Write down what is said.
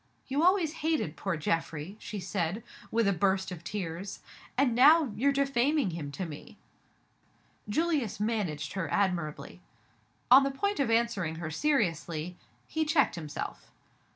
"You always hated poor Geoffrey," she said, with a burst of tears. "And now you're defaming him to me!" Julius managed her admirably. On the point of answering her seriously, he checked himself.